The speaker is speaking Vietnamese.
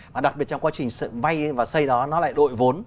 và đặc biệt trong quá trình vay và xây đó nó lại đội vốn